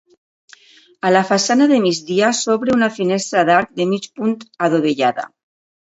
A la façana de migdia s'obre una finestra d'arc de mig punt adovellada.